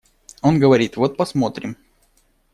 Он говорит: «Вот посмотрим».